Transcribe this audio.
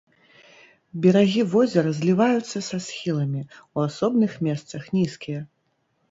Берагі возера зліваюцца са схіламі, у асобных месцах нізкія.